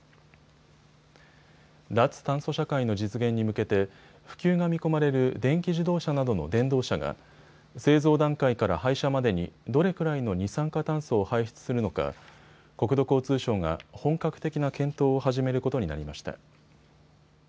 脱炭素社会の実現に向けて普及が見込まれる電気自動車などの電動車が製造段階から廃車までにどれくらいの二酸化炭素を排出するのか国土交通省が本格的な検討を始めることになりました。